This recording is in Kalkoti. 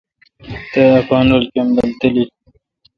تا اپین رل کمبل تالیل۔